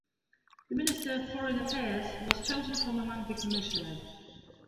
The minister of foreign affairs was chosen from among the commissioners.